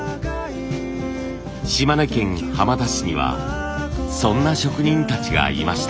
島根県浜田市にはそんな職人たちがいました。